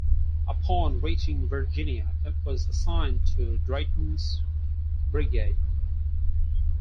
Upon reaching Virginia, it was assigned to Drayton's Brigade.